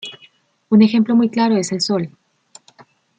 Un ejemplo muy claro es el Sol.